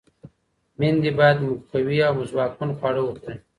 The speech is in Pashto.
میندې باید مقوي او ځواکمن خواړه وخوري.